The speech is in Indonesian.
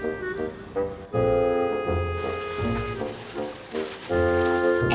iya gue mau main sama febri